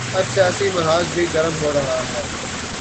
اب سیاسی محاذ بھی گرم ہو رہا ہے۔